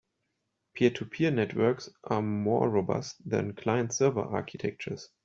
Peer-to-peer networks are more robust than client-server architectures.